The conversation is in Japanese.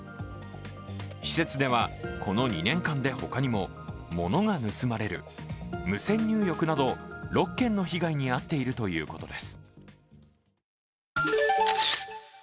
施設ではこの２年間で他にも物が盗まれる、無銭入浴など６件の被害に遭っているということです。